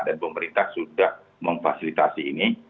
dan pemerintah sudah memfasilitasi ini